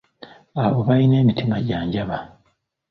Abo balina emitima gya njaba.